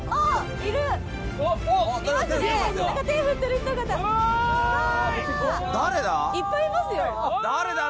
いっぱいいますよ。